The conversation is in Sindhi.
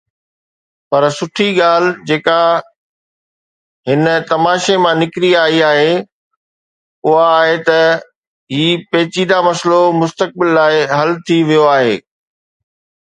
پر سٺي ڳالهه جيڪا هن تماشي مان نڪري آئي آهي اها آهي ته هي پيچيده مسئلو مستقبل لاءِ حل ٿي ويو آهي.